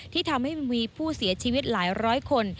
ที่ทำให้มีผู้เสียชีวิตหลายร้อยคน